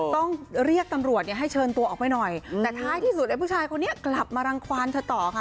ต้องเรียกตำรวจเนี่ยให้เชิญตัวออกไปหน่อยแต่ท้ายที่สุดไอ้ผู้ชายคนนี้กลับมารังความเธอต่อค่ะ